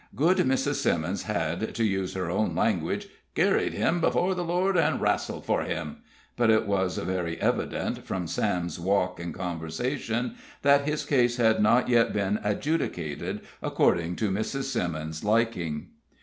Good Mrs. Simmons had, to use her own language, "kerried him before the Lord, and wrastled for him;" but it was very evident, from Sam's walk and conversation, that his case had not yet been adjudicated according to Mrs. Simmons's liking.